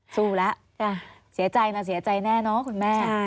สู้แล้วเสียใจนะเสียใจแน่เนาะคุณแม่